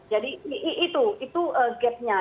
jadi itu gap nya